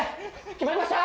決まりました！